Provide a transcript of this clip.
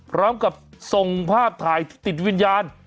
พร้อมกับส่งภาพถ่ายที่ติดวิญญาณ